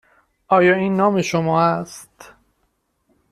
آیا این نام شما است؟